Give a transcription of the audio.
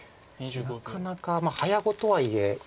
なかなか早碁とはいえ